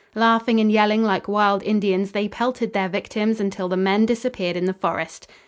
Laughing and yelling like wild Indians, they pelted their victims until the men disappeared in the forest.